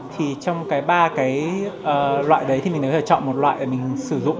thì trong cái ba cái loại đấy thì mình có thể chọn một loại mình sử dụng